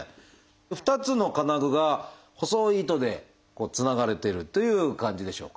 ２つの金具が細い糸でつながれてるという感じでしょうか。